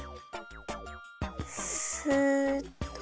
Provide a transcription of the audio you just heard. すっと。